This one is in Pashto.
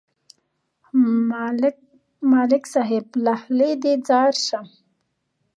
ملک صاحب، له خولې دې ځار شم.